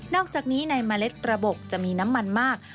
อกจากนี้ในเมล็ดกระบบจะมีน้ำมันมาก